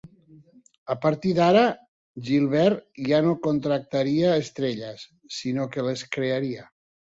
A partir d'ara, Gilbert ja no contractaria estrelles; sinó que les crearia.